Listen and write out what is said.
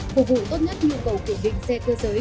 phục vụ tốt nhất nhu cầu kiểm định xe cơ giới